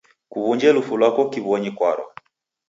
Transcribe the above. Kuw'unje lufu lwako kiw'onyi kwaro.